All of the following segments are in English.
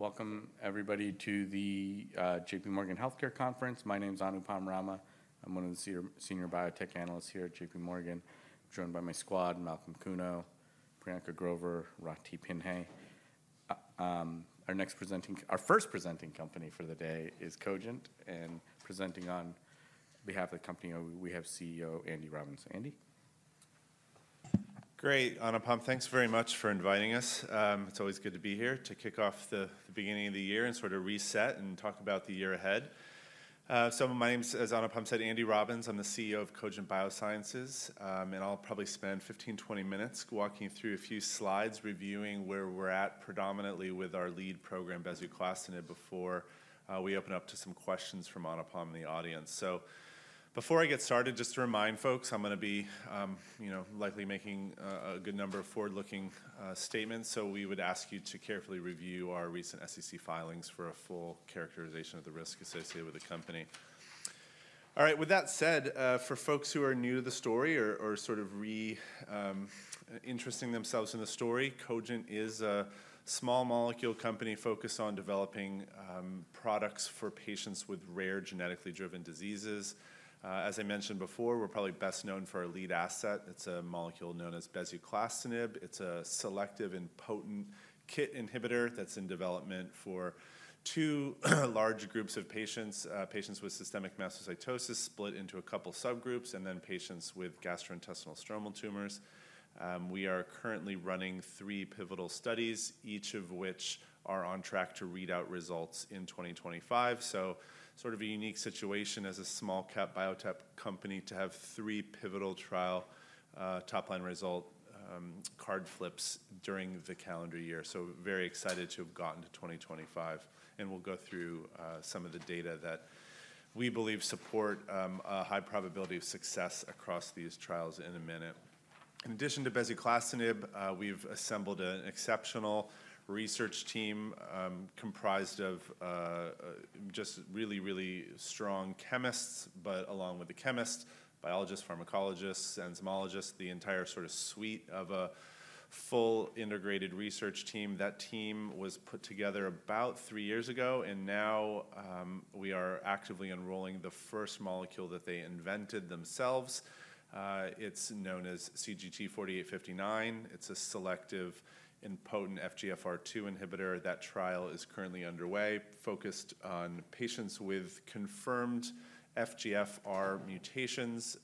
Welcome, everybody, to the JPMorgan Healthcare Conference. My name is Anupam Rama. I'm one of the senior biotech analysts here at JPMorgan. I'm joined by my squad: Malcolm Kuno, Priyanka Grover, and Ricki Pinhasi. Our first presenting company for the day is Cogent, and presenting on behalf of the company, we have CEO Andy Robbins. Andy? Great, Anupam. Thanks very much for inviting us. It's always good to be here to kick off the beginning of the year and sort of reset and talk about the year ahead, so my name is, as Anupam said, Andy Robbins. I'm the CEO of Cogent Biosciences, and I'll probably spend 15 minutes, 20 minutes walking through a few slides, reviewing where we're at predominantly with our lead program, bezuclastinib, before we open up to some questions from Anupam and the audience, so before I get started, just to remind folks, I'm going to be likely making a good number of forward-looking statements. So we would ask you to carefully review our recent SEC filings for a full characterization of the risk associated with the company. All right, with that said, for folks who are new to the story or sort of re-interesting themselves in the story, Cogent is a small molecule company focused on developing products for patients with rare genetically driven diseases. As I mentioned before, we're probably best known for our lead asset. It's a molecule known as bezuclastinib. It's a selective and potent KIT inhibitor that's in development for two large groups of patients: patients with systemic mastocytosis split into a couple of subgroups, and then patients with gastrointestinal stromal tumors. We are currently running three pivotal studies, each of which are on track to read out results in 2025. So sort of a unique situation as a small cap biotech company to have three pivotal trial top-line result card flips during the calendar year. So very excited to have gotten to 2025. We'll go through some of the data that we believe support a high probability of success across these trials in a minute. In addition to bezuclastinib, we've assembled an exceptional research team comprised of just really, really strong chemists, but along with the chemists, biologists, pharmacologists, enzymologists, the entire sort of suite of a full integrated research team. That team was put together about three years ago, and now we are actively enrolling the first molecule that they invented themselves. It's known as CGT4859. It's a selective and potent FGFR2 inhibitor. That trial is currently underway, focused on patients with confirmed FGFR mutations.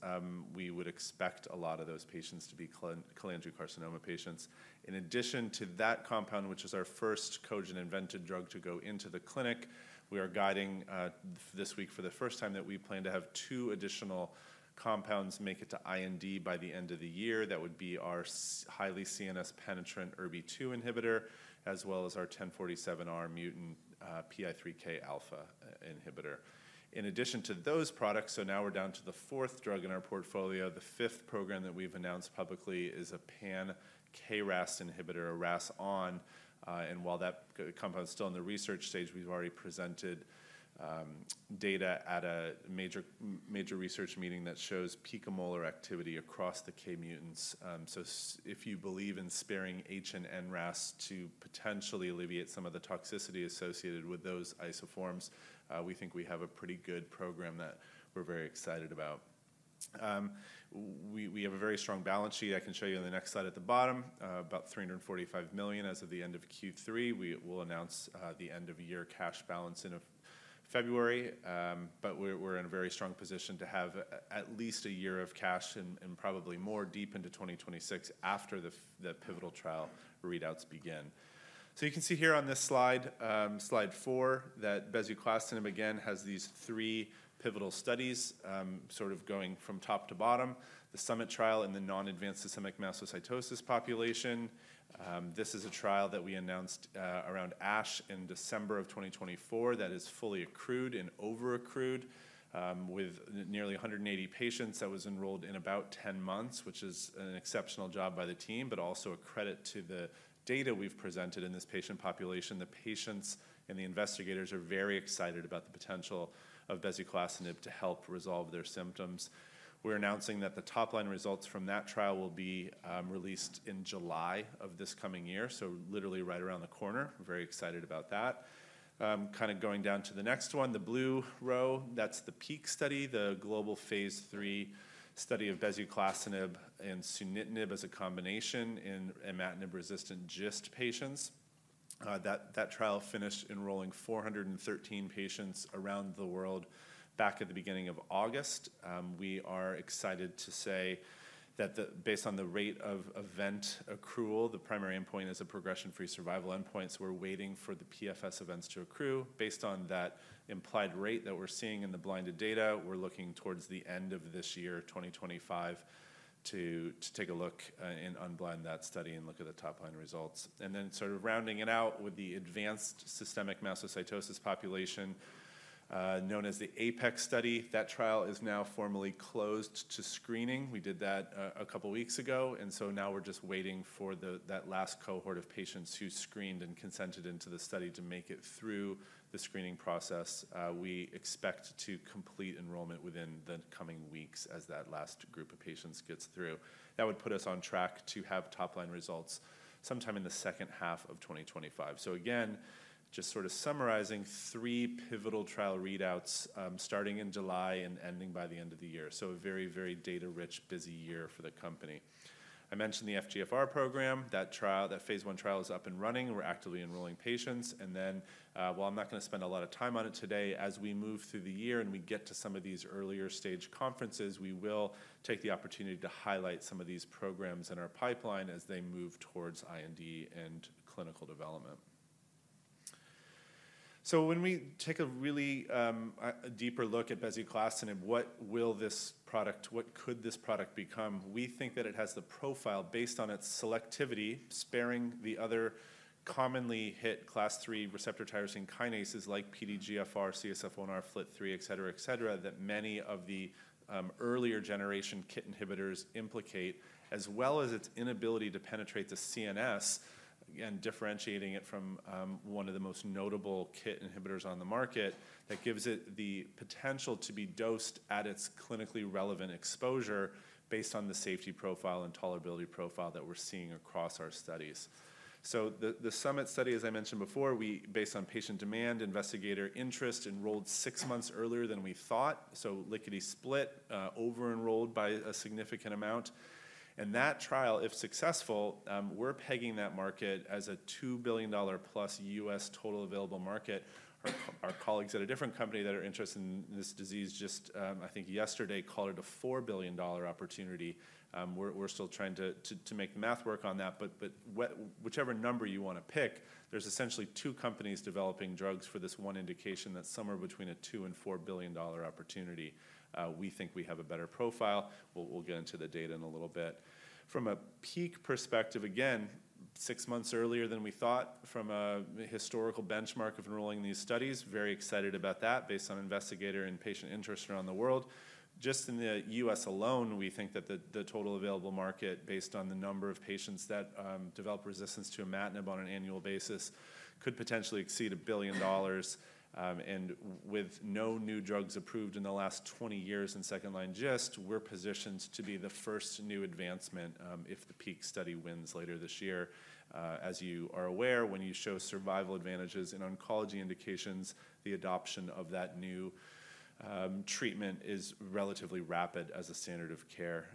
We would expect a lot of those patients to be cholangiocarcinoma patients. In addition to that compound, which is our first Cogent-invented drug to go into the clinic, we are guiding this week for the first time that we plan to have two additional compounds make it to IND by the end of the year. That would be our highly CNS-penetrant ErbB2 inhibitor, as well as our H1047R mutant PI3K alpha inhibitor. In addition to those products, so now we're down to the fourth drug in our portfolio. The fifth program that we've announced publicly is a pan-KRAS inhibitor, a RAS(ON). And while that compound is still in the research stage, we've already presented data at a major research meeting that shows picomolar activity across the KRAS mutants. If you believe in sparing H and NRAS to potentially alleviate some of the toxicity associated with those isoforms, we think we have a pretty good program that we're very excited about. We have a very strong balance sheet. I can show you on the next slide at the bottom, about $345 million as of the end of Q3. We will announce the end-of-year cash balance in February, but we're in a very strong position to have at least a year of cash and probably more deep into 2026 after the pivotal trial readouts begin. You can see here on this slide, slide four, that bezuclastinib, again, has these three pivotal studies sort of going from top to bottom: the SUMMIT trial in the non-advanced systemic mastocytosis population. This is a trial that we announced around ASH in December of 2024 that is fully accrued and over-accrued with nearly 180 patients. That was enrolled in about 10 months, which is an exceptional job by the team, but also a credit to the data we've presented in this patient population. The patients and the investigators are very excited about the potential of bezuclastinib to help resolve their symptoms. We're announcing that the top-line results from that trial will be released in July of this coming year, so literally right around the corner. Very excited about that. Kind of going down to the next one, the blue row, that's the PEAK study, the global phase III study of bezuclastinib and sunitinib as a combination in imatinib-resistant GIST patients. That trial finished enrolling 413 patients around the world back at the beginning of August. We are excited to say that based on the rate of event accrual, the primary endpoint is a progression-free survival endpoint, so we're waiting for the PFS events to accrue. Based on that implied rate that we're seeing in the blinded data, we're looking towards the end of this year, 2025, to take a look and unblind that study and look at the top-line results, and then sort of rounding it out with the advanced systemic mastocytosis population known as the APEX study. That trial is now formally closed to screening. We did that a couple of weeks ago, and so now we're just waiting for that last cohort of patients who screened and consented into the study to make it through the screening process. We expect to complete enrollment within the coming weeks as that last group of patients gets through. That would put us on track to have top-line results sometime in the second half of 2025. So again, just sort of summarizing three pivotal trial readouts starting in July and ending by the end of the year. So a very, very data-rich, busy year for the company. I mentioned the FGFR program. That phase one trial is up and running. We're actively enrolling patients. And then while I'm not going to spend a lot of time on it today, as we move through the year and we get to some of these earlier stage conferences, we will take the opportunity to highlight some of these programs in our pipeline as they move towards IND and clinical development. So when we take a really deeper look at bezuclastinib, what will this product, what could this product become? We think that it has the profile based on its selectivity, sparing the other commonly hit class three receptor tyrosine kinases like PDGFR, CSF1R, FLT3, et cetera, et cetera, that many of the earlier generation KIT inhibitors implicate, as well as its inability to penetrate the CNS, again, differentiating it from one of the most notable KIT inhibitors on the market. That gives it the potential to be dosed at its clinically relevant exposure based on the safety profile and tolerability profile that we're seeing across our studies. So the SUMMIT study, as I mentioned before, we, based on patient demand, investigator interest, enrolled six months earlier than we thought. So lickety-split, over-enrolled by a significant amount. And that trial, if successful, we're pegging that market as a $2 billion+ U.S. total available market. Our colleagues at a different company that are interested in this disease just, I think yesterday, called it a $4 billion opportunity. We're still trying to make math work on that, but whichever number you want to pick, there's essentially two companies developing drugs for this one indication that somewhere between a $2 billion-$4 billion opportunity. We think we have a better profile. We'll get into the data in a little bit. From a peak perspective, again, six months earlier than we thought, from a historical benchmark of enrolling these studies, very excited about that based on investigator and patient interest around the world. Just in the U.S. alone, we think that the total available market, based on the number of patients that develop resistance to imatinib on an annual basis, could potentially exceed $1 billion. And with no new drugs approved in the last 20 years in second-line GIST, we're positioned to be the first new advancement if the PEAK study wins later this year. As you are aware, when you show survival advantages in oncology indications, the adoption of that new treatment is relatively rapid as a standard of care.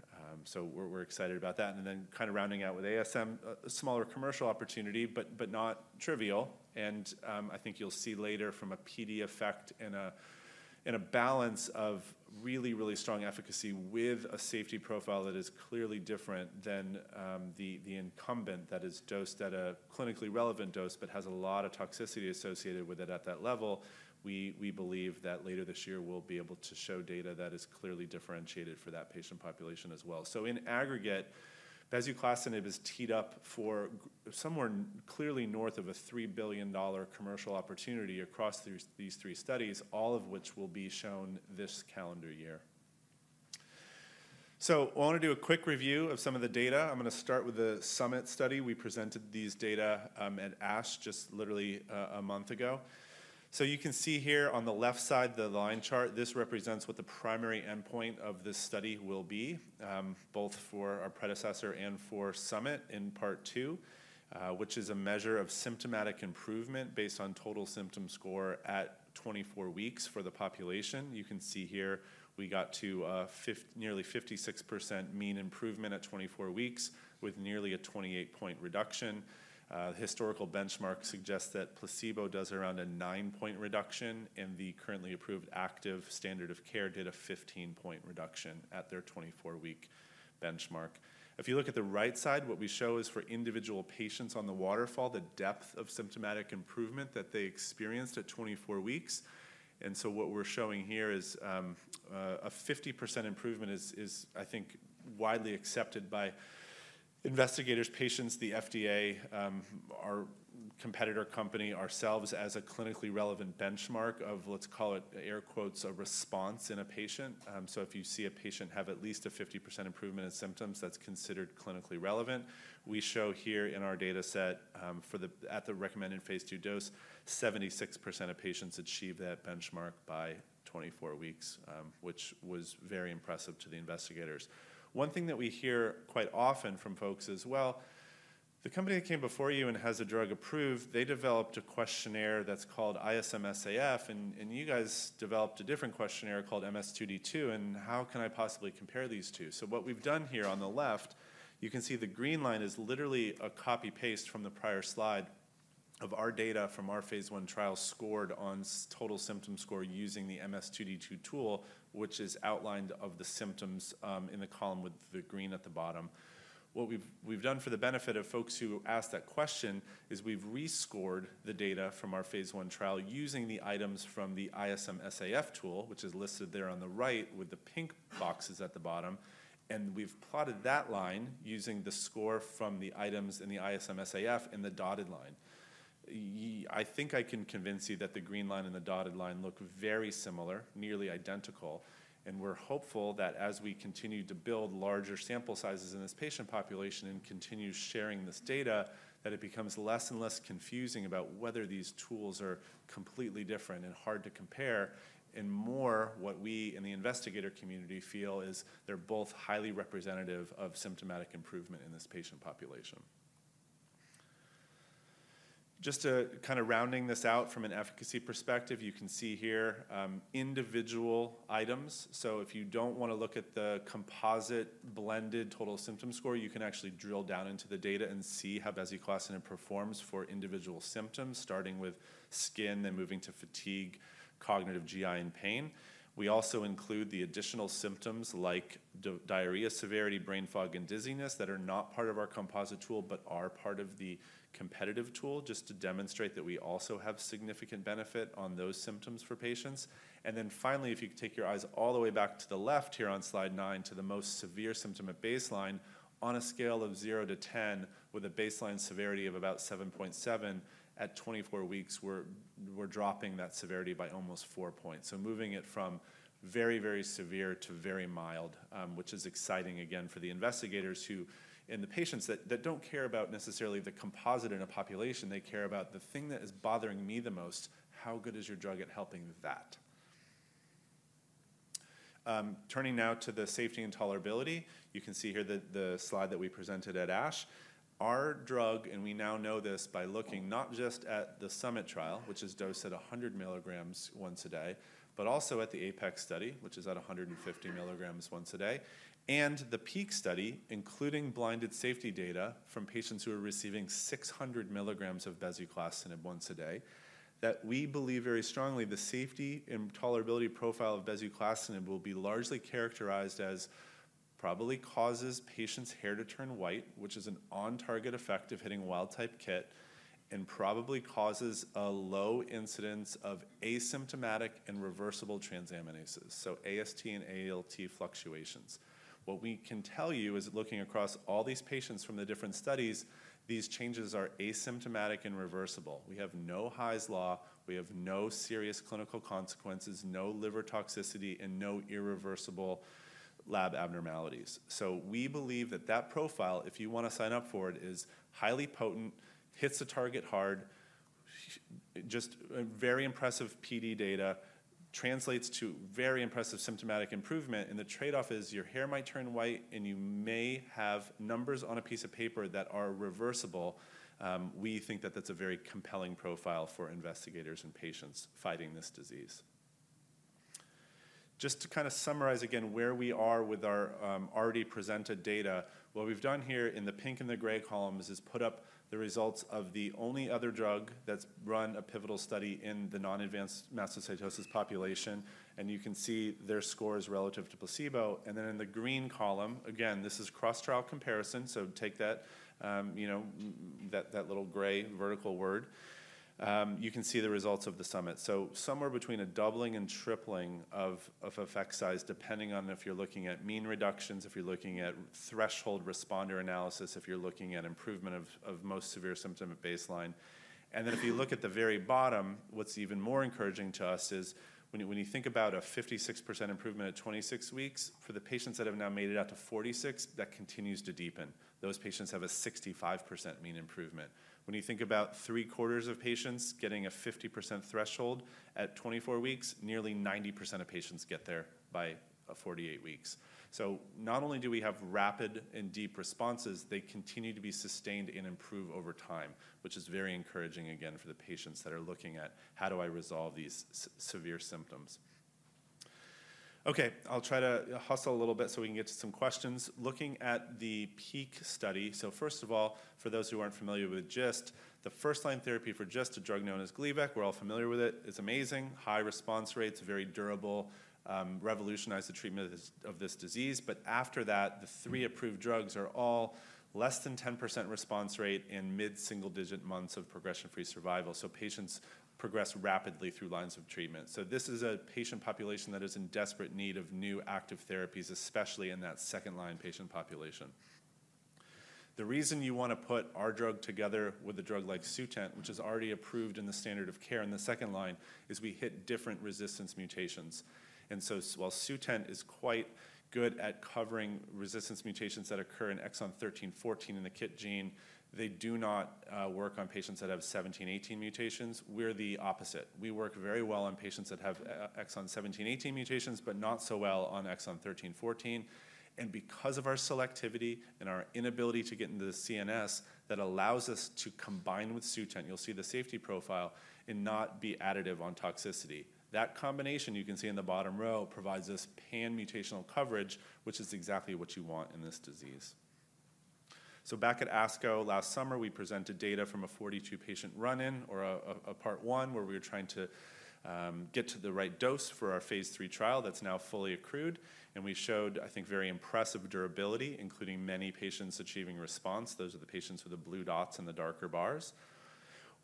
So we're excited about that. And then kind of rounding out with ASM, a smaller commercial opportunity, but not trivial. And I think you'll see later from a PD effect and a balance of really, really strong efficacy with a safety profile that is clearly different than the incumbent that is dosed at a clinically relevant dose, but has a lot of toxicity associated with it at that level. We believe that later this year, we'll be able to show data that is clearly differentiated for that patient population as well. So in aggregate, bezuclastinib is teed up for somewhere clearly north of a $3 billion commercial opportunity across these three studies, all of which will be shown this calendar year. So I want to do a quick review of some of the data. I'm going to start with the SUMMIT study. We presented these data at ASH just literally a month ago. So you can see here on the left side, the line chart. This represents what the primary endpoint of this study will be, both for our predecessor and for SUMMIT in part two, which is a measure of symptomatic improvement based on total symptom score at 24 weeks for the population. You can see here we got to nearly 56% mean improvement at 24 weeks with nearly a 28-point reduction. Historical benchmarks suggest that placebo does around a 9-point reduction, and the currently approved active standard of care did a 15-point reduction at their 24-week benchmark. If you look at the right side, what we show is for individual patients on the waterfall, the depth of symptomatic improvement that they experienced at 24 weeks. And so what we're showing here is a 50% improvement is, I think, widely accepted by investigators, patients, the FDA, our competitor company, ourselves as a clinically relevant benchmark of, let's call it, "a response in a patient." So if you see a patient have at least a 50% improvement in symptoms, that's considered clinically relevant. We show here in our data set at the recommended phase II dose, 76% of patients achieve that benchmark by 24 weeks, which was very impressive to the investigators. One thing that we hear quite often from folks is, well, the company that came before you and has a drug approved, they developed a questionnaire that's called ISM-SAF, and you guys developed a different questionnaire called MS2D2, and how can I possibly compare these two? So what we've done here on the left, you can see the green line is literally a copy-paste from the prior slide of our data from our phase one trial scored on total symptom score using the MS2D2 tool, which outlines the symptoms in the column with the green at the bottom. What we've done for the benefit of folks who asked that question is we've rescored the data from our phase one trial using the items from the ISM-SAF tool, which is listed there on the right with the pink boxes at the bottom. We've plotted that line using the score from the items in the ISM-SAF and the dotted line. I think I can convince you that the green line and the dotted line look very similar, nearly identical. We're hopeful that as we continue to build larger sample sizes in this patient population and continue sharing this data, that it becomes less and less confusing about whether these tools are completely different and hard to compare. More what we in the investigator community feel is they're both highly representative of symptomatic improvement in this patient population. Just kind of rounding this out from an efficacy perspective, you can see here individual items. So if you don't want to look at the composite blended total symptom score, you can actually drill down into the data and see how bezuclastinib performs for individual symptoms, starting with skin, then moving to fatigue, cognitive GI, and pain. We also include the additional symptoms like diarrhea, severity, brain fog, and dizziness that are not part of our composite tool, but are part of the competitive tool just to demonstrate that we also have significant benefit on those symptoms for patients. And then finally, if you take your eyes all the way back to the left here on slide nine to the most severe symptom at baseline, on a scale of zero to 10, with a baseline severity of about 7.7 at 24 weeks, we're dropping that severity by almost four points. Moving it from very, very severe to very mild, which is exciting again for the investigators who and the patients that don't care about necessarily the composite in a population. They care about the thing that is bothering me the most. How good is your drug at helping that? Turning now to the safety and tolerability, you can see here the slide that we presented at ASH. Our drug, and we now know this by looking not just at the SUMMIT trial, which is dosed at 100 milligrams once a day, but also at the APEX study, which is at 150 milligrams once a day, and the PEAK study, including blinded safety data from patients who are receiving 600 milligrams of bezuclastinib once a day, that we believe very strongly the safety and tolerability profile of bezuclastinib will be largely characterized as probably causes patients' hair to turn white, which is an on-target effect of hitting wild-type KIT, and probably causes a low incidence of asymptomatic and reversible transaminases, so AST and ALT fluctuations. What we can tell you is looking across all these patients from the different studies, these changes are asymptomatic and reversible. We have no Hy's law. We have no serious clinical consequences, no liver toxicity, and no irreversible lab abnormalities. So we believe that that profile, if you want to sign up for it, is highly potent, hits the target hard, just very impressive PD data, translates to very impressive symptomatic improvement. And the trade-off is your hair might turn white, and you may have numbers on a piece of paper that are reversible. We think that that's a very compelling profile for investigators and patients fighting this disease. Just to kind of summarize again where we are with our already presented data, what we've done here in the pink and the gray columns is put up the results of the only other drug that's run a pivotal study in the non-advanced mastocytosis population. And you can see their scores relative to placebo. And then in the green column, again, this is cross-trial comparison. So take that little gray vertical word. You can see the results of the SUMMIT. So somewhere between a doubling and tripling of effect size, depending on if you're looking at mean reductions, if you're looking at threshold responder analysis, if you're looking at improvement of most severe symptom at baseline. And then if you look at the very bottom, what's even more encouraging to us is when you think about a 56% improvement at 26 weeks for the patients that have now made it out to 46, that continues to deepen. Those patients have a 65% mean improvement. When you think about three-quarters of patients getting a 50% threshold at 24 weeks, nearly 90% of patients get there by 48 weeks. So not only do we have rapid and deep responses, they continue to be sustained and improve over time, which is very encouraging again for the patients that are looking at how do I resolve these severe symptoms. Okay, I'll try to hustle a little bit so we can get to some questions. Looking at the PEAK study, so first of all, for those who aren't familiar with GIST, the first-line therapy for GIST, a drug known as Gleevec, we're all familiar with it. It's amazing. High response rates, very durable, revolutionized the treatment of this disease. But after that, the three approved drugs are all less than 10% response rate in mid-single-digit months of progression-free survival. So patients progress rapidly through lines of treatment. So this is a patient population that is in desperate need of new active therapies, especially in that second-line patient population. The reason you want to put our drug together with a drug like Sutent, which is already approved in the standard of care in the second line, is we hit different resistance mutations. While Sutent is quite good at covering resistance mutations that occur in exon 13/14 in the KIT gene, they do not work on patients that have 17/18 mutations. We're the opposite. We work very very well on patients that have exon 17/18 mutations, but not so well on exon 13/14. And because of our selectivity and our inability to get into the CNS, that allows us to combine with Sutent. You'll see the safety profile and not be additive on toxicity. That combination you can see in the bottom row provides us pan-mutational coverage, which is exactly what you want in this disease. Back at ASCO last summer, we presented data from a 42-patient run-in or a part one where we were trying to get to the right dose for our phase 3 trial that's now fully accrued. We showed, I think, very impressive durability, including many patients achieving response. Those are the patients with the blue dots and the darker bars.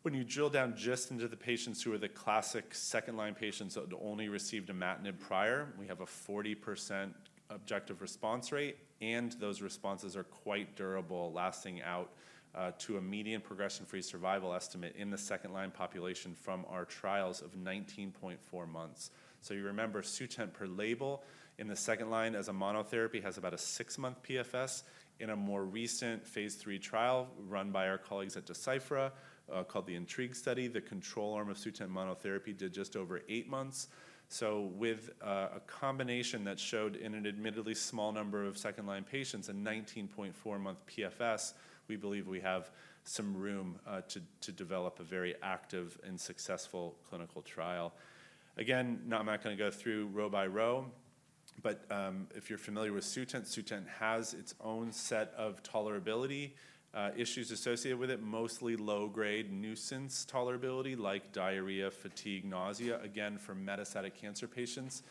When you drill down just into the patients who are the classic second-line patients that only received imatinib prior, we have a 40% objective response rate. Those responses are quite durable, lasting out to a median progression-free survival estimate in the second-line population from our trials of 19.4 months. You remember Sutent per label in the second line as a monotherapy has about a six-month PFS. In a more recent phase three trial run by our colleagues at Deciphera called the INTRIGUE study, the control arm of Sutent monotherapy did just over eight months. So with a combination that showed an admittedly small number of second-line patients and 19.4-month PFS, we believe we have some room to develop a very active and successful clinical trial. Again, I'm not going to go through row by row, but if you're familiar with Sutent, Sutent has its own set of tolerability issues associated with it, mostly low-grade nuisance tolerability like diarrhea, fatigue, nausea, again, for metastatic cancer patients.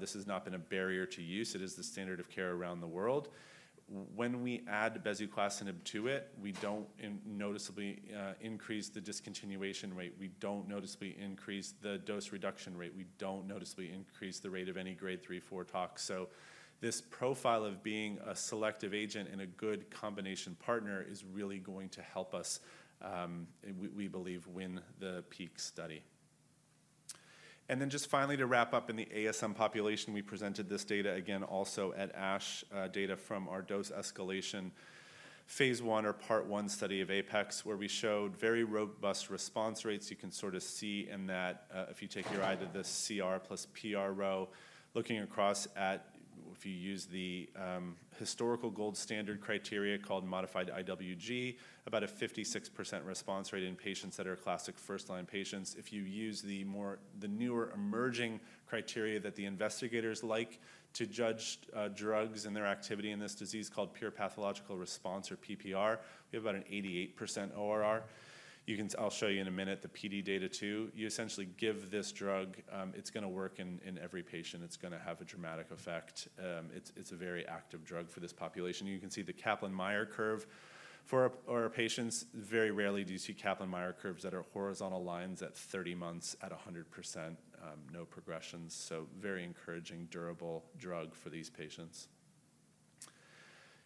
This has not been a barrier to use. It is the standard of care around the world. When we add bezuclastinib to it, we don't noticeably increase the discontinuation rate. We don't noticeably increase the dose reduction rate. We don't noticeably increase the rate of any grade 3/4 tox. So this profile of being a selective agent and a good combination partner is really going to help us, we believe, win the PEAK study. And then just finally to wrap up in the ASM population, we presented this data again also at ASH data from our dose escalation phase one or part one study of APEX, where we showed very robust response rates. You can sort of see in that if you take your eye to the CR plus PR row, looking across at if you use the historical gold standard criteria called modified IWG, about a 56% response rate in patients that are classic first-line patients. If you use the newer emerging criteria that the investigators like to judge drugs and their activity in this disease called pure pathological response or PPR, we have about an 88% ORR. I'll show you in a minute the PD data too. You essentially give this drug, it's going to work in every patient. It's going to have a dramatic effect. It's a very active drug for this population. You can see the Kaplan-Meier curve for our patients. Very rarely do you see Kaplan-Meier curves that are horizontal lines at 30 months at 100%, no progressions. So very encouraging, durable drug for these patients.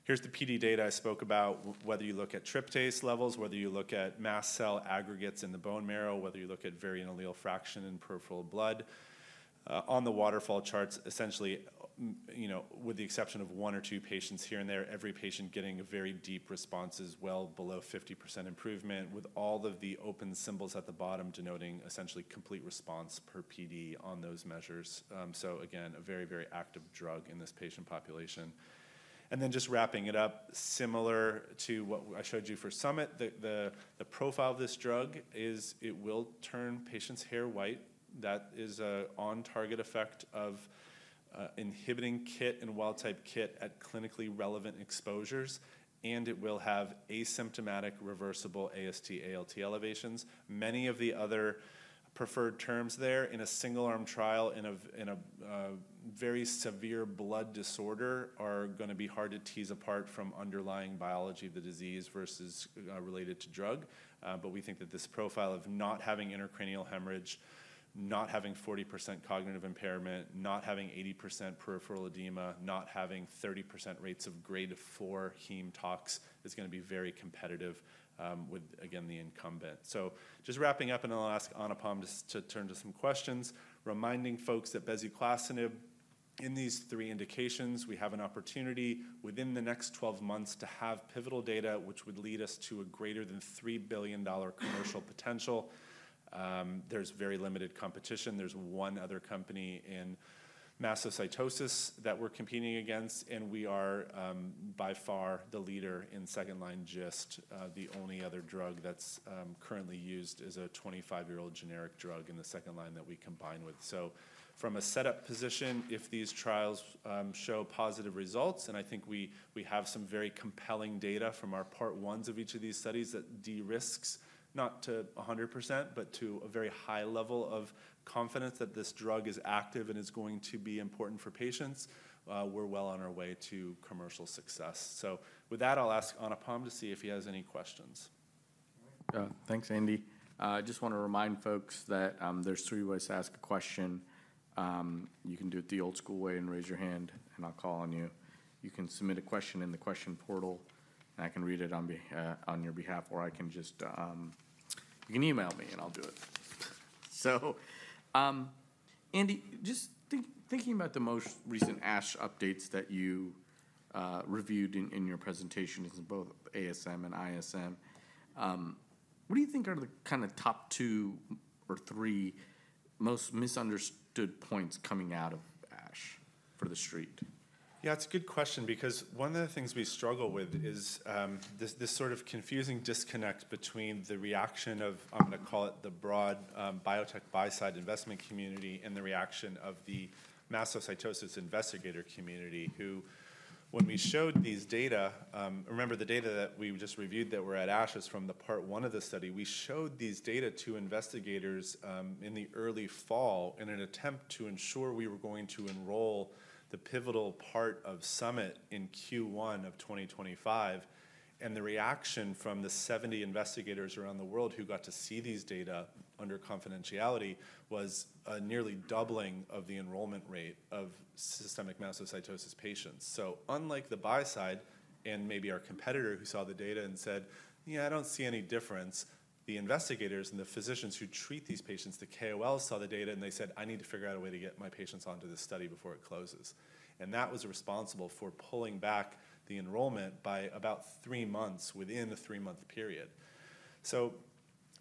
Here's the PD data I spoke about. Whether you look at tryptase levels, whether you look at mast cell aggregates in the bone marrow, whether you look at variant allele fraction in peripheral blood. On the waterfall charts, essentially with the exception of one or two patients here and there, every patient getting a very deep response is well below 50% improvement, with all of the open symbols at the bottom denoting essentially complete response per PD on those measures. So again, a very, very active drug in this patient population. And then just wrapping it up, similar to what I showed you for SUMMIT, the profile of this drug is it will turn patients' hair white. That is an on-target effect of inhibiting KIT and wild-type KIT at clinically relevant exposures. And it will have asymptomatic reversible AST, ALT elevations. Many of the other preferred terms there in a single-arm trial in a very severe blood disorder are going to be hard to tease apart from underlying biology of the disease versus related to drug. But we think that this profile of not having intracranial hemorrhage, not having 40% cognitive impairment, not having 80% peripheral edema, not having 30% rates of grade four heme tox is going to be very competitive with, again, the incumbent. So just wrapping up, and I'll ask Anupam Rama to turn to some questions, reminding folks that bezuclastinib, in these three indications, we have an opportunity within the next 12 months to have pivotal data, which would lead us to a greater than $3 billion commercial potential. There's very limited competition. There's one other company in mastocytosis that we're competing against, and we are by far the leader in second-line GIST, the only other drug that's currently used as a 25-year-old generic drug in the second line that we combine with. So from a setup position, if these trials show positive results, and I think we have some very compelling data from our part ones of each of these studies that de-risk not to 100%, but to a very high level of confidence that this drug is active and is going to be important for patients, we're well on our way to commercial success. So with that, I'll ask Anupam to see if he has any questions. Thanks, Andy. I just want to remind folks that there's three ways to ask a question. You can do it the old school way and raise your hand, and I'll call on you. You can submit a question in the question portal, and I can read it on your behalf, or you can just email me and I'll do it. So, Andy, just thinking about the most recent ASH updates that you reviewed in your presentations in both ASM and ISM, what do you think are the kind of top two or three most misunderstood points coming out of ASH for the street? Yeah, it's a good question because one of the things we struggle with is this sort of confusing disconnect between the reaction of, I'm going to call it the broad biotech buy-side investment community and the reaction of the mastocytosis investigator community, who when we showed these data, remember the data that we just reviewed that were at ASH is from the part one of the study. We showed these data to investigators in the early fall in an attempt to ensure we were going to enroll the pivotal part of summit in Q1 of 2025. The reaction from the 70 investigators around the world who got to see these data under confidentiality was a nearly doubling of the enrollment rate of systemic mastocytosis patients. Unlike the buy-side and maybe our competitor who saw the data and said, "Yeah, I don't see any difference," the investigators and the physicians who treat these patients, the KOLs saw the data and they said, "I need to figure out a way to get my patients onto this study before it closes." That was responsible for pulling back the enrollment by about three months within the three-month period.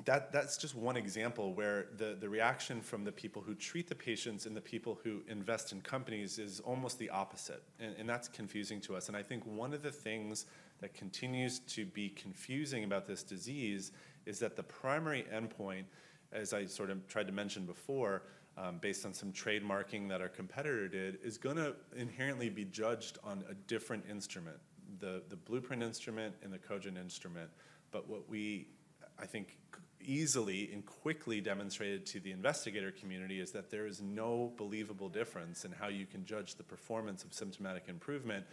That's just one example where the reaction from the people who treat the patients and the people who invest in companies is almost the opposite. That's confusing to us. And I think one of the things that continues to be confusing about this disease is that the primary endpoint, as I sort of tried to mention before, based on some trademarking that our competitor did, is going to inherently be judged on a different instrument, the Blueprint instrument and the Cogent instrument. But what we, I think, easily and quickly demonstrated to the investigator community is that there is no believable difference in how you can judge the performance of symptomatic improvement.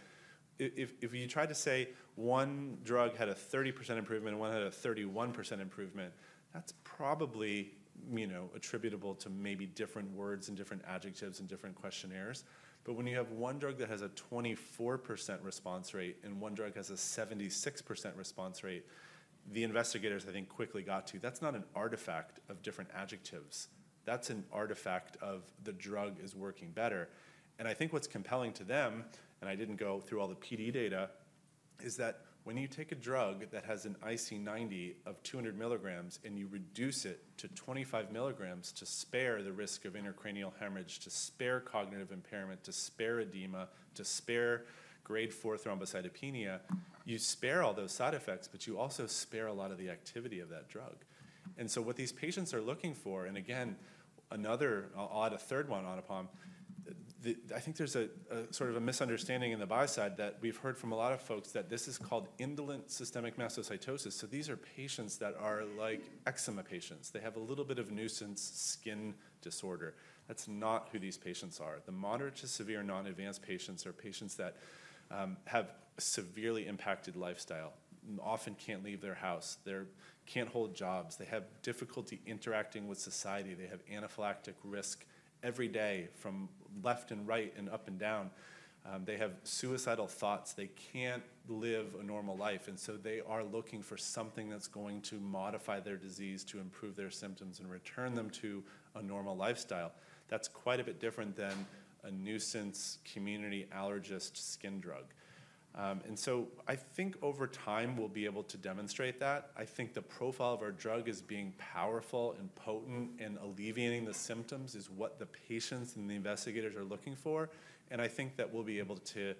If you try to say one drug had a 30% improvement and one had a 31% improvement, that's probably attributable to maybe different words and different adjectives and different questionnaires. But when you have one drug that has a 24% response rate and one drug has a 76% response rate, the investigators, I think, quickly got to that's not an artifact of different adjectives. That's an artifact of the drug is working better. And I think what's compelling to them, and I didn't go through all the PD data, is that when you take a drug that has an IC90 of 200 milligrams and you reduce it to 25 milligrams to spare the risk of intracranial hemorrhage, to spare cognitive impairment, to spare edema, to spare grade four thrombocytopenia, you spare all those side effects, but you also spare a lot of the activity of that drug. And so what these patients are looking for, and again, another I'll add a third one, Anupam, I think there's a sort of a misunderstanding in the buy-side that we've heard from a lot of folks that this is called indolent systemic mastocytosis. So these are patients that are like eczema patients. They have a little bit of nuisance skin disorder. That's not who these patients are. The moderate to severe non-advanced patients are patients that have severely impacted lifestyle, often can't leave their house, they can't hold jobs, they have difficulty interacting with society, they have anaphylactic risk every day from left and right and up and down. They have suicidal thoughts. They can't live a normal life. And so they are looking for something that's going to modify their disease to improve their symptoms and return them to a normal lifestyle. That's quite a bit different than a nuisance community allergist skin drug. And so I think over time we'll be able to demonstrate that. I think the profile of our drug as being powerful and potent and alleviating the symptoms is what the patients and the investigators are looking for. And I think that we'll be able to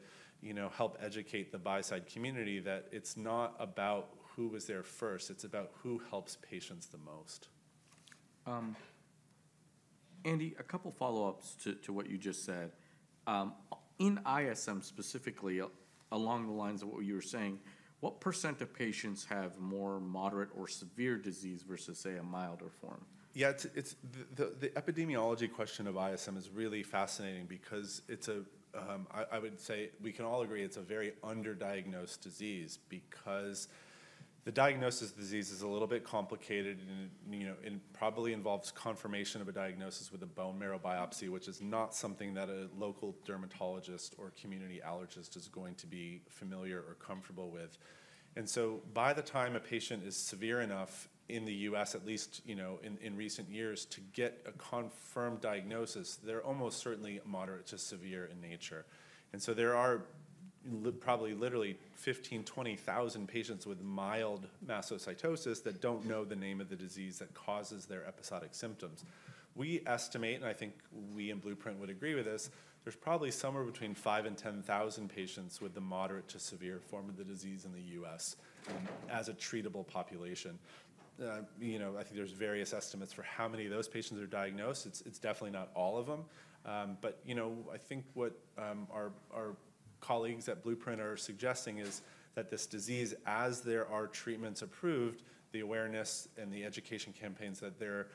help educate the buy-side community that it's not about who was there first. It's about who helps patients the most. Andy, a couple of follow-ups to what you just said. In ISM specifically, along the lines of what you were saying, what % of patients have more moderate or severe disease versus, say, a milder form? Yeah, the epidemiology question of ISM is really fascinating because it's a, I would say we can all agree it's a very underdiagnosed disease because the diagnosis of disease is a little bit complicated and probably involves confirmation of a diagnosis with a bone marrow biopsy, which is not something that a local dermatologist or community allergist is going to be familiar or comfortable with. And so by the time a patient is severe enough in the U.S., at least in recent years, to get a confirmed diagnosis, they're almost certainly moderate to severe in nature. And so there are probably literally 15,000 patients, 20,000 patients with mild mastocytosis that don't know the name of the disease that causes their episodic symptoms. We estimate, and I think we in Blueprint would agree with this, there's probably somewhere between 5,000 patients and 10,000 patients with the moderate to severe form of the disease in the U.S. as a treatable population. I think there's various estimates for how many of those patients are diagnosed. It's definitely not all of them. But I think what our colleagues at Blueprint are suggesting is that this disease, as there are treatments approved, the awareness and the education campaigns that they're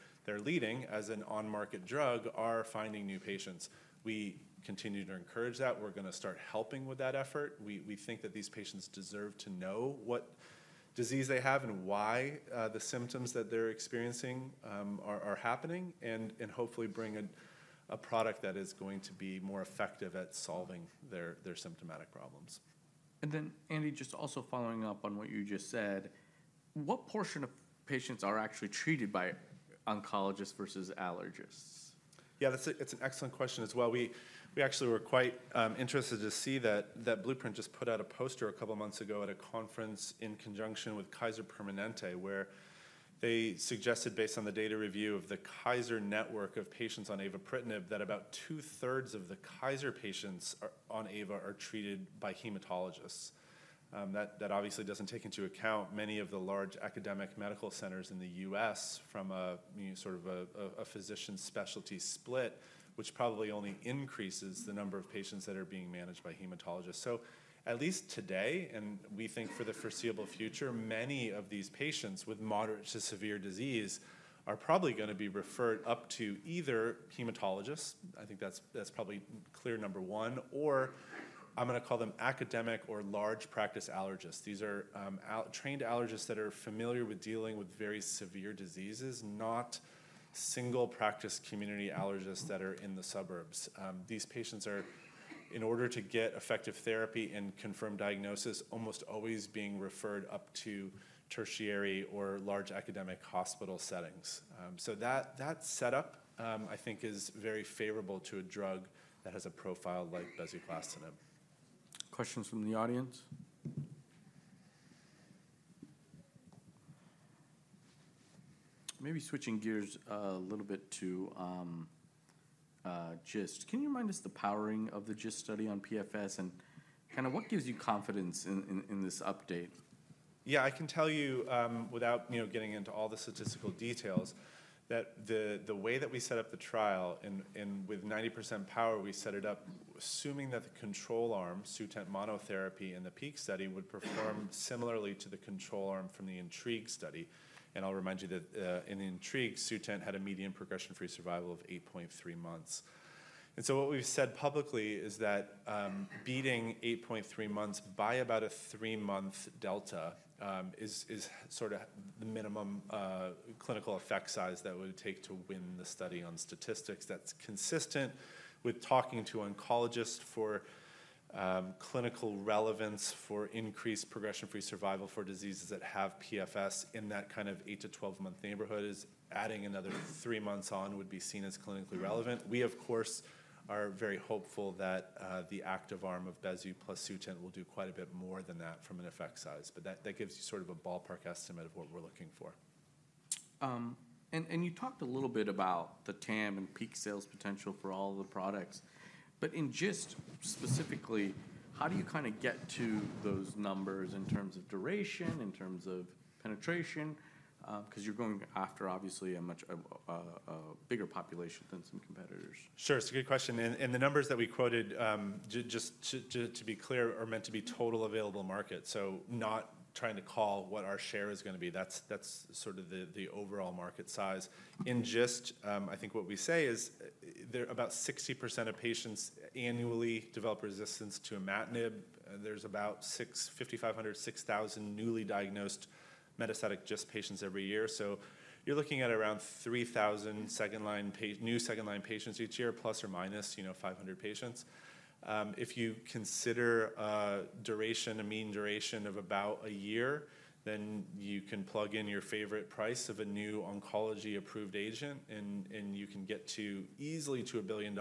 leading as an on-market drug are finding new patients. We continue to encourage that. We're going to start helping with that effort. We think that these patients deserve to know what disease they have and why the symptoms that they're experiencing are happening and hopefully bring a product that is going to be more effective at solving their symptomatic problems. And then, Andy, just also following up on what you just said, what portion of patients are actually treated by oncologists versus allergists? Yeah, that's an excellent question as well. We actually were quite interested to see that Blueprint just put out a poster a couple of months ago at a conference in conjunction with Kaiser Permanente, where they suggested, based on the data review of the Kaiser network of patients on avapritinib, that about two-thirds of the Kaiser patients on Ava are treated by hematologists. That obviously doesn't take into account many of the large academic medical centers in the U.S. from a sort of a physician specialty split, which probably only increases the number of patients that are being managed by hematologists, so at least today, and we think for the foreseeable future, many of these patients with moderate to severe disease are probably going to be referred up to either hematologists. I think that's probably clear number one, or I'm going to call them academic or large practice allergists. These are trained allergists that are familiar with dealing with very severe diseases, not single practice community allergists that are in the suburbs. These patients are, in order to get effective therapy and confirmed diagnosis, almost always being referred up to tertiary or large academic hospital settings, so that setup, I think, is very favorable to a drug that has a profile like bezuclastinib. Questions from the audience? Maybe switching gears a little bit to GIST. Can you remind us the powering of the GIST study on PFS and kind of what gives you confidence in this update? Yeah, I can tell you without getting into all the statistical details that the way that we set up the trial and with 90% power, we set it up assuming that the control arm, Sutent monotherapy in the PEAK study, would perform similarly to the control arm from the INTRIGUE study. And I'll remind you that in the INTRIGUE, Sutent had a median progression-free survival of 8.3 months. And so what we've said publicly is that beating 8.3 months by about a three-month delta is sort of the minimum clinical effect size that would take to win the study on statistics that's consistent with talking to oncologists for clinical relevance for increased progression-free survival for diseases that have PFS in that kind of 8-month to 12-month neighborhood is adding another three months on would be seen as clinically relevant. We, of course, are very hopeful that the active arm of Bezu plus Sutent will do quite a bit more than that from an effect size. But that gives you sort of a ballpark estimate of what we're looking for. And you talked a little bit about the TAM and peak sales potential for all the products. But in GIST specifically, how do you kind of get to those numbers in terms of duration, in terms of penetration? Because you're going after, obviously, a much bigger population than some competitors. Sure. It's a good question, and the numbers that we quoted, just to be clear, are meant to be total available market. So not trying to call what our share is going to be. That's sort of the overall market size. In GIST, I think what we say is about 60% of patients annually develop resistance to imatinib. There's about 5,500-6,000 newly diagnosed metastatic GIST patients every year. So you're looking at around 3,000 new second-line patients each year, plus or minus 500 patients. If you consider a mean duration of about a year, then you can plug in your favorite price of a new oncology-approved agent and you can get easily to $1 billion.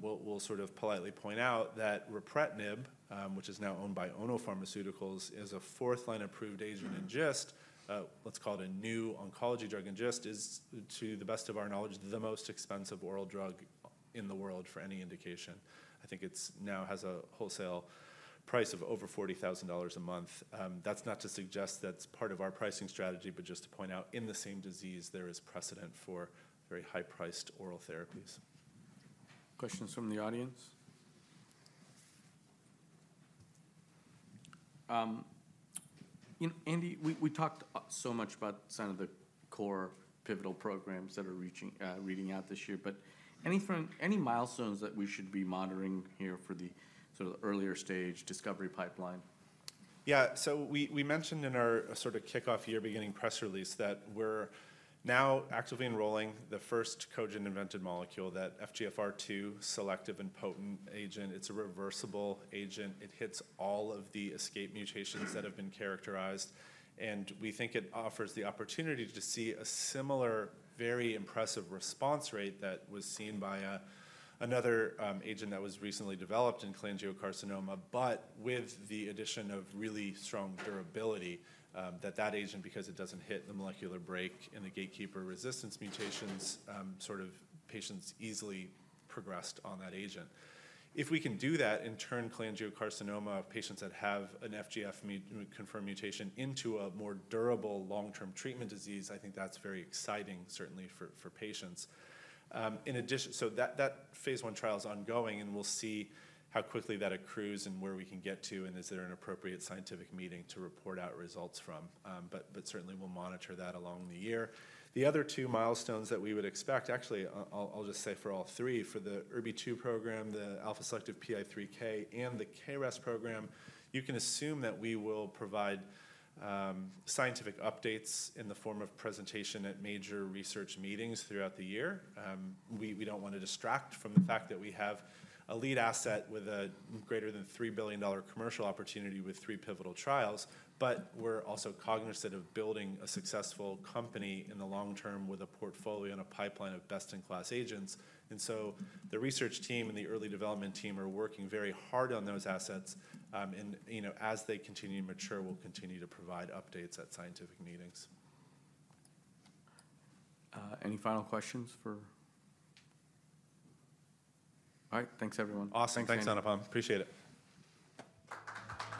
We'll sort of politely point out that ripretinib, which is now owned by Ono Pharmaceutical, is a fourth-line approved agent in GIST. Let's call it, a new oncology drug in GIST, is, to the best of our knowledge, the most expensive oral drug in the world for any indication. I think it now has a wholesale price of over $40,000 a month. That's not to suggest that's part of our pricing strategy, but just to point out in the same disease, there is precedent for very high-priced oral therapies. Questions from the audience? Andy, we talked so much about some of the core pivotal programs that are reading out this year. But any milestones that we should be monitoring here for the sort of earlier stage discovery pipeline? Yeah. So we mentioned in our sort of kickoff year beginning press release that we're now actively enrolling the first Cogent invented molecule, that FGFR2 selective and potent agent. It's a reversible agent. It hits all of the escape mutations that have been characterized. And we think it offers the opportunity to see a similar, very impressive response rate that was seen by another agent that was recently developed in cholangiocarcinoma, but with the addition of really strong durability that that agent, because it doesn't hit the molecular break and the gatekeeper resistance mutations, sort of patients easily progressed on that agent. If we can do that and turn cholangiocarcinoma patients that have an FGFR confirmed mutation into a more durable long-term treatment disease, I think that's very exciting, certainly for patients. That phase I trial is ongoing and we'll see how quickly that accrues and where we can get to and is there an appropriate scientific meeting to report out results from. But certainly, we'll monitor that along the year. The other two milestones that we would expect, actually, I'll just say for all three, for the ErbB2 program, the alpha-selective PI3K, and the KRAS program, you can assume that we will provide scientific updates in the form of presentation at major research meetings throughout the year. We don't want to distract from the fact that we have a lead asset with a greater than $3 billion commercial opportunity with three pivotal trials, but we're also cognizant of building a successful company in the long term with a portfolio and a pipeline of best-in-class agents. And so the research team and the early development team are working very hard on those assets. And as they continue to mature, we'll continue to provide updates at scientific meetings. Any final questions for? All right. Thanks, everyone. Awesome. Thanks, Anupam. Appreciate it.